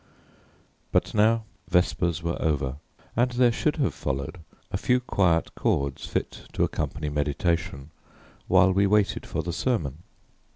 But now vespers were over, and there should have followed a few quiet chords, fit to accompany meditation, while we waited for the sermon.